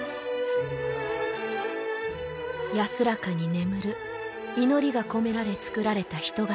安らかに眠る祈りが込められつくられた人型